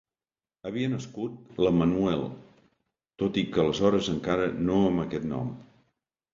Havia nascut l'Emmanuel, tot i que aleshores encara no amb aquest nom.